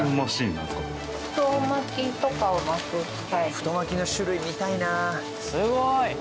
太巻きの種類見たいな！